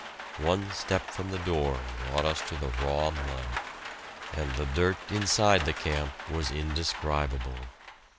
One step from the door brought us to the raw mud, and the dirt inside the camp was indescribable.